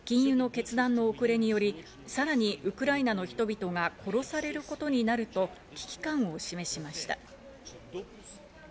禁輸の決断の遅れにより、さらにウクライナの人々が殺されることになると危機感を示しました。